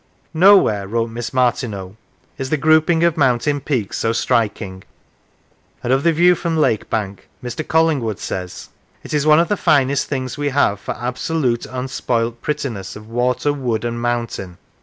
" Nowhere," wrote Miss Marti neau, " is the grouping of mountain peaks so striking "; and of the view from Lakebank Mr. Collingwood says :" It is one of the finest things we have for absolute unspoilt prettiness of water, wood, and mountain."